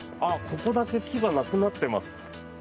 ここだけ木がなくなってます。